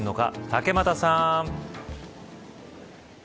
竹俣さん。